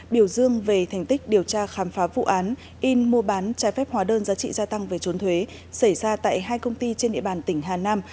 biểu dương về thành tích điều tra khám phá vụ án in mua bán trái phép hóa đơn giá trị gia tăng về trốn thuế xảy ra tại hai công ty trên địa bàn tỉnh hà nam